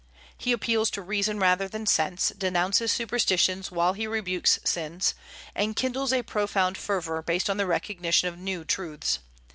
He appeals to reason rather than sense; denounces superstitions, while he rebukes sins; and kindles a profound fervor, based on the recognition of new truths.